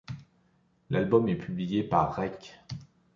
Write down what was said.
L'album est publié par Rec.